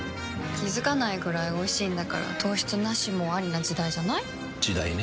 気付かないくらいおいしいんだから糖質ナシもアリな時代じゃない？時代ね。